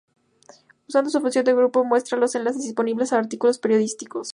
Usando su función de "grupo", muestra los enlaces disponibles a artículos periodísticos.